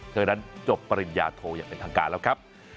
เธอนั้นจบปริญญาโทอย่างเป็นทางการแล้วครับ